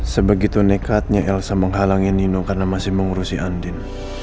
sebegitu nekatnya elsa menghalangi nino karena masih mengurusi andin